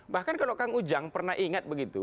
bahkan kalau kang ujang pernah ingat begitu